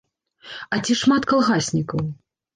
А ці шмат калгаснікаў?